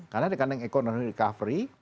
karena dengan ekonomi recovery kita khawatir